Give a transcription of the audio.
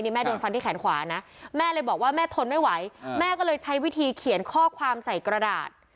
แม่โดนฟันที่แขนขวานะแม่เลยบอกว่าแม่ทนไม่ไหวแม่ก็เลยใช้วิธีเขียนข้อความใส่กระดาษ